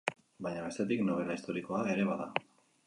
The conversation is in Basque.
Baina bestetik, nobela historikoa ere bada.